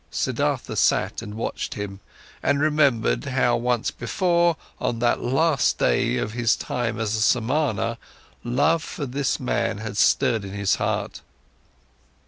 Siddhartha sat and watched him, and remembered, how once before, on that last day of his time as a Samana, love for this man had stirred in his heart.